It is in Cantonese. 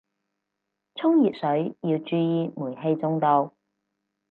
沖熱水要注意煤氣中毒